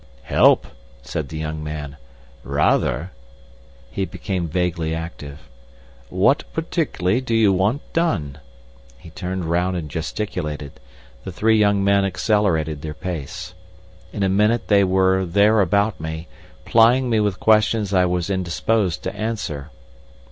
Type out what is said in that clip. "Help!" said the young man: "rather!" He became vaguely active. "What particularly do you want done?" He turned round and gesticulated. The three young men accelerated their pace. In a minute they were about me, plying me with questions I was indisposed to answer.